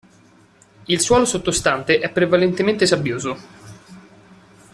Il suolo sottostante è prevalentemente sabbioso.